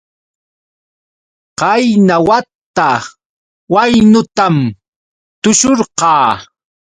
Qayna wata waynutam tushurqaa.